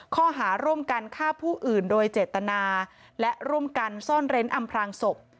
ข้อหาร่วมกันฆ่าผู้อื่นโดยเจตนาและร่วมกันซ่อนเร้นอำพลางศพ